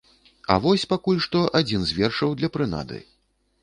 А вось пакуль што адзін з вершаў для прынады.